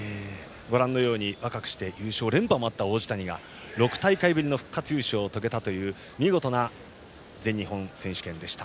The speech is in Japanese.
若くして優勝連覇もあった王子谷が６大会ぶりの復活優勝を遂げたという見事な全日本選手権でした。